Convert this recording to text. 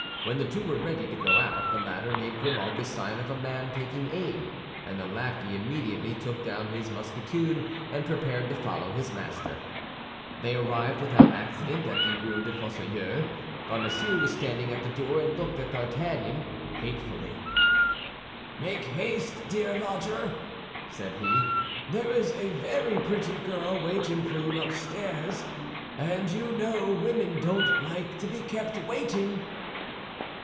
When the two were ready to go out, the latter made Grimaud the sign of a man taking aim, and the lackey immediately took down his musketoon, and prepared to follow his master. They arrived without accident at the Rue des Fossoyeurs. Bonacieux was standing at the door, and looked at D'Artagnan hatefully. "Make haste, dear lodger," said he; "there is a very pretty girl waiting for you upstairs; and you know women don't like to be kept waiting."